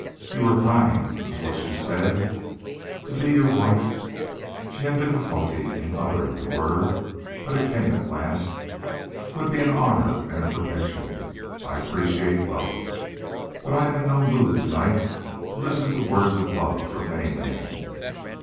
"You are kind," was what she said. "To be your wife" she had difficulty in uttering the word, but it came at last "would be an honor and a protection. I appreciate both. But I am in no mood to night to listen to words of love from any man.